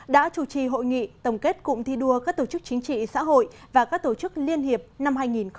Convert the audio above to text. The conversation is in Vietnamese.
đã chủ trì hội nghị tổng kết cụm thi đua các tổ chức chính trị xã hội và các tổ chức liên hiệp năm hai nghìn một mươi chín